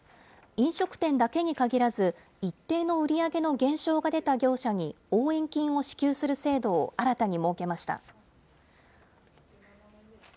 飲食店だけに限らず、一定の売り上げの減少が出た業者に応援金を支給する制度を新たに設けました。